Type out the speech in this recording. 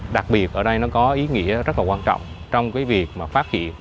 đặc biệt ở đây nó có ý nghĩa rất là quan trọng trong cái việc mà phát hiện